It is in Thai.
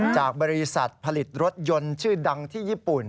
จากบริษัทผลิตรถยนต์ชื่อดังที่ญี่ปุ่น